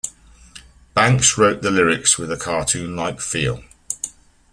Banks wrote the lyrics with a cartoon-like feel.